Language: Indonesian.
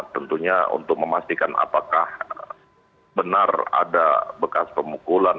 tentunya untuk memastikan apakah benar ada bekas pemukulan